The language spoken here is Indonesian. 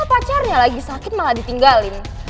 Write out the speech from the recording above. pacarnya lagi sakit malah ditinggalin